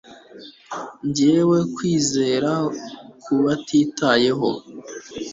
njyewe kwizera kubatitayeho